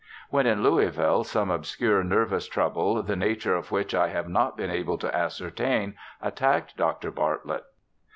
When at Louisville some obscure nervous trouble, the nature of which I have not been able to ascertain, attacked Dr. Bartlett.